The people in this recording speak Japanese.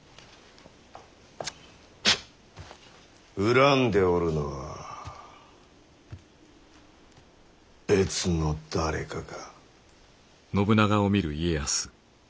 恨んでおるのは別の誰かか？